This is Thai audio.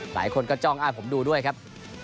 หลายคนก็จ้องอ้างผมดูด้วยครับ